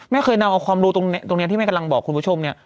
เคยนำเอาความรู้ตรงนี้ที่แม่กำลังบอกคุณผู้ชมเนี่ย